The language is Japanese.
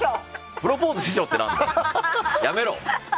プロポーズ師匠って何だよ！